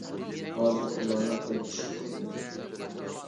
ھازىر ئۇلارنىڭ قولى ئىشقا تەگدى.